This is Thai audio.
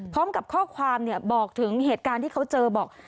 พร้อมกับข้อความบอกถึงเหตุการณ์ที่เขาเจอบอก